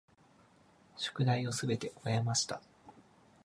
宿題をすべて終えました。